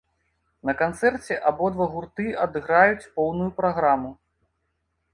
На канцэрце абодва гурты адыграюць поўную праграму.